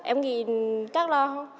em nghĩ chắc là không